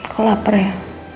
kau lapar ya